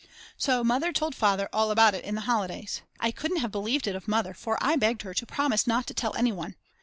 So Mother told Father all about it in the holidays. I couldn't have believed it of Mother for I begged her to promise not to tell anyone.